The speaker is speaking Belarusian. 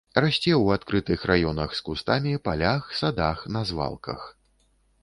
Расце ў адкрытых раёнах з кустамі, палях, садах, на звалках.